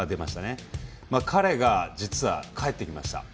彼が実は帰ってきました。